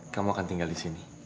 kamu akan tinggal disini